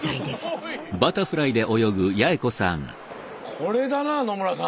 これだな野村さん。